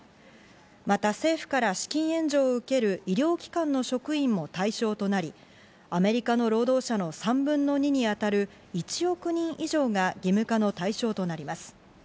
また政府から資金援助を受ける医療機関の職員も対象となり、アメリカの労働者の３分の２に当たる１億人以上が義務化の対象となります。